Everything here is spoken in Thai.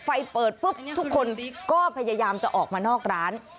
ไฟเปิดปุ๊บทุกคนก็พยายามจะออกมานอกร้าน